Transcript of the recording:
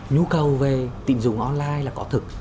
nhu cầu về tình dùng online là có thực